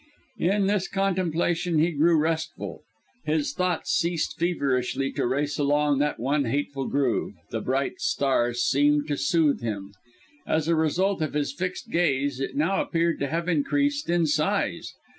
In this contemplation he grew restful; his thoughts ceased feverishly to race along that one hateful groove; the bright star seemed to soothe him. As a result of his fixed gazing, it now appeared to have increased in size.